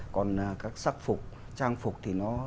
còn các sắc phục trang phục thì nó